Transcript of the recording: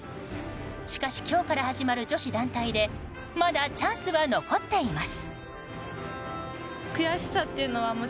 しかし今日から始まる女子団体でまだチャンスは残っています。